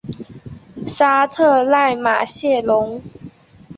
沙特奈马谢龙。